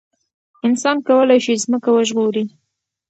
انسان کولای شي ځمکه وژغوري.